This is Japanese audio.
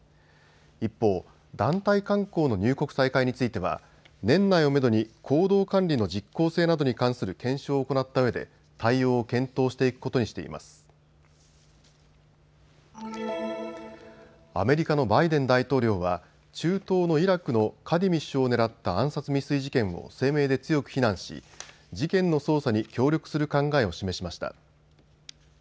一方、団体観光の入国再開については年内をめどに行動管理の実効性などに関する検証を行ったうえで対応を検討していくことにしています。アメリカのバイデン大統領は中東のイラクのカディミ首相を狙った暗殺未遂事件を声明で強く非難し、事件の捜査に協力する考えを示しました。